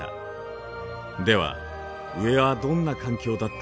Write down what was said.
では上はどんな環境だったのでしょう？